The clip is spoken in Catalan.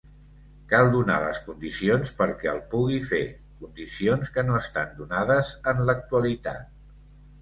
Cal donar les condicions perquè el pugui fer, condicions que no estan donades en l'actualitat.